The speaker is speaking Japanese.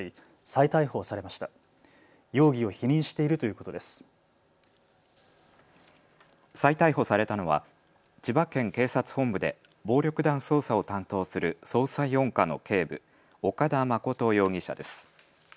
再逮捕されたのは千葉県警察本部で暴力団捜査を担当する捜査４課の警部、岡田誠容疑者です。